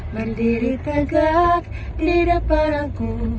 berdiri tegak di depan aku